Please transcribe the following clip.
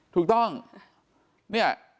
ถูกต้องเนี่ย